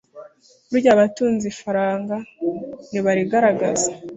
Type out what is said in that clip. Burya abatunze ifaranga ntibarigaragaza